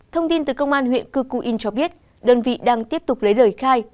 thông tin từ công an huyện cư cù yên cho biết đơn vị đang tiếp tục lấy lời khai